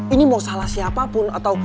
ini mau salah siapapun